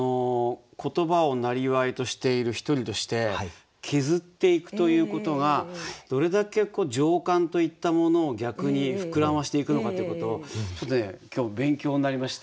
言葉をなりわいとしている一人として削っていくということがどれだけ情感といったものを逆に膨らましていくのかっていうことをちょっとね今日勉強になりまして。